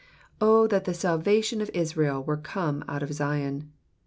6 Oh that the salvation of Israel were come out of Zion